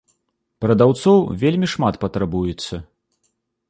Прадаўцоў вельмі шмат патрабуецца.